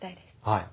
はい。